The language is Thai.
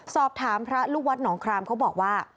สอบถามพระลูกวัดหนองครามเขาบอกว่า